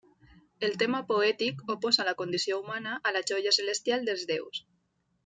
El tema poètic oposa la condició humana a la joia celestial dels déus.